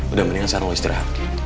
udah mendingan sekarang lo istirahat